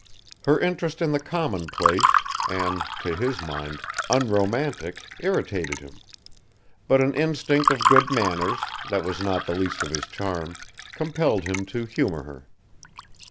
Her interest in the commonplace and (to his mind) unromantic irritated him; but an instinct of good manners, that was not the least of his charm, compelled him to humour her.